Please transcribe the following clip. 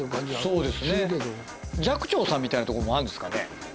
そうですね寂聴さんみたいなとこもあるんですかね？